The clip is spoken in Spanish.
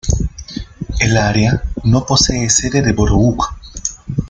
El área no posee sede de borough.